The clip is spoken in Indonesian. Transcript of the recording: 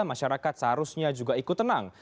masyarakat seharusnya juga ikut tenang